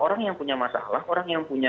orang yang punya masalah orang yang punya